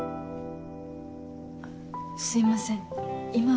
すいません今は。